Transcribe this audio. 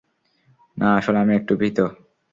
না, আসলে আমি একটু ভীত।